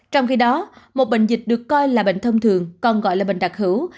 trong khi đó một bệnh dịch được coi là bệnh thông thường còn gọi là bệnh đặc hữu